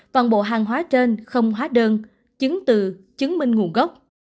toàn bộ hàng hóa trên không hóa đơn chứng từ chứng minh nguồn gốc